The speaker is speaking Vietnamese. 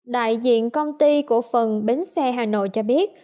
đại diện công ty cổ phần bến xe hà nội cho biết